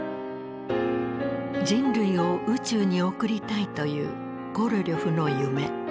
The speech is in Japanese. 人類を宇宙に送りたいというコロリョフの夢。